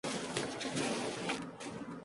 El match se jugó en Baguio, Filipinas.